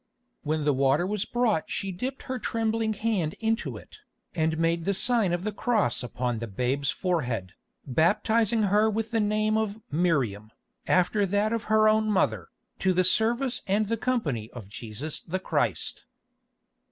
When the water was brought she dipped her trembling hand into it, and made the sign of the Cross upon the babe's forehead, baptising her with the name of Miriam, after that of her own mother, to the service and the company of Jesus the Christ.